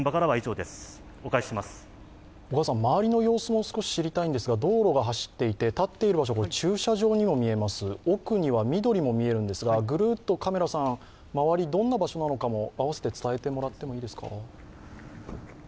周りの様子も少し知りたいんですが、道路が走っていて立っている場所は駐車場にも見えます、奥には緑も見えるんですが、ぐるっと周りがどんな場所かも伝えてもらってもいいですか？